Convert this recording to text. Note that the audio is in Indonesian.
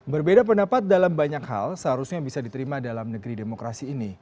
berbeda pendapat dalam banyak hal seharusnya bisa diterima dalam negeri demokrasi ini